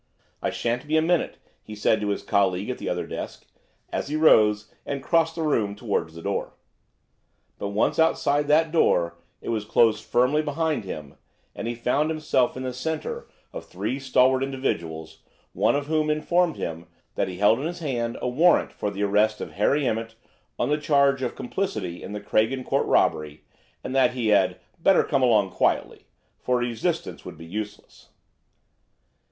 "I sha'n't be a minute," he said to his colleague at the other desk, as he rose and crossed the room towards the door. But once outside that door it was closed firmly behind him, and he found himself in the centre of three stalwart individuals, one of whom informed him that he held in his hand a warrant for the arrest of Harry Emmett on the charge of complicity in the Craigen Court robbery, and that he had "better come along quietly, for resistance would be useless."